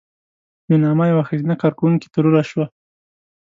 یوناما یوه ښځینه کارکوونکې ترور شوه.